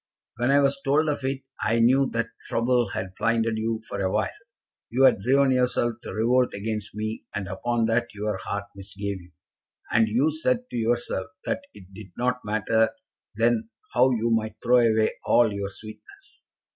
When I was told of it, I knew that trouble had blinded you for awhile. You had driven yourself to revolt against me, and upon that your heart misgave you, and you said to yourself that it did not matter then how you might throw away all your sweetness.